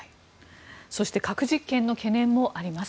そして、核実験の懸念もあります。